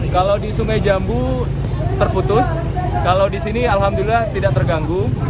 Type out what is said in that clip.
kalau di sungai jambu terputus kalau di sini alhamdulillah tidak terganggu